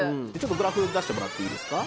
グラフ出してもらっていいですか？